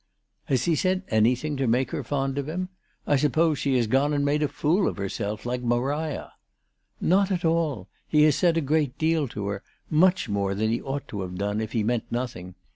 " Has he said anything to make her fond of him ? I suppose she has gone and made a fool of herself, like Maria." "Not at all. He has said a great deal to her; much more than he ought to have done, if he meant nothing.